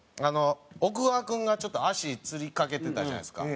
奥川君がちょっと足つりかけてたじゃないですか。